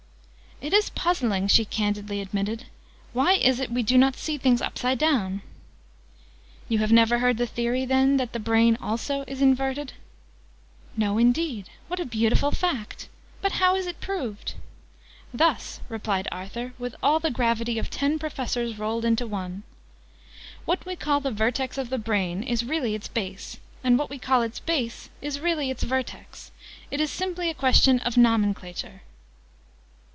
"It is puzzling," she candidly admitted. "Why is it we do not see things upside down?" "You have never heard the Theory, then, that the Brain also is inverted?" "No indeed! What a beautiful fact! But how is it proved?" "Thus," replied Arthur, with all the gravity of ten Professors rolled into one. "What we call the vertex of the Brain is really its base: and what we call its base is really its vertex: it is simply a question of nomenclature."